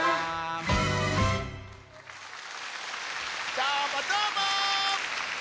どーもどーも！